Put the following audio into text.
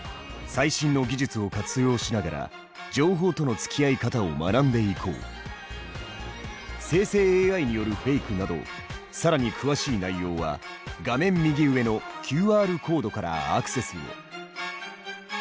最新の技術を活用しながら生成ＡＩによるフェイクなど更に詳しい内容は画面右上のＱＲコードからアクセスを。